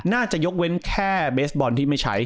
น่าจะยกเว้นแค่เบสบอลที่ไม่ใช้